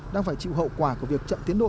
đang phải chịu hậu quả của việc chậm tiến độ